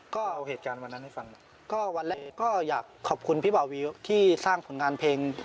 ก็อยากขอบคุณพี่บ่าววีที่สร้างผลงานเพลง